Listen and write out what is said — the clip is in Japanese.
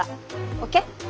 ＯＫ？